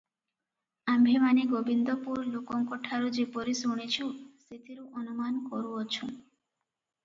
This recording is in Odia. ଆମ୍ଭେମାନେ ଗୋବିନ୍ଦପୁର ଲୋକଙ୍କଠାରୁ ଯେପରି ଶୁଣିଛୁ, ସେଥିରୁ ଅନୁମାନ କରୁଅଛୁଁ ।